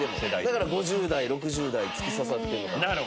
だから５０代６０代突き刺さってるのかな。